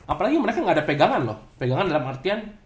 apalagi mereka nggak ada pegangan loh pegangan dalam artian